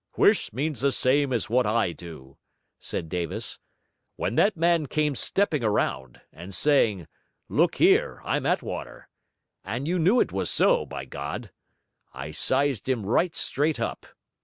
'Huish means the same as what I do,' said Davis. 'When that man came stepping around, and saying "Look here, I'm Attwater" and you knew it was so, by God! I sized him right straight up.